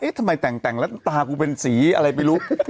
ทำไมแต่งแล้วตากูเป็นสีอะไรไม่รู้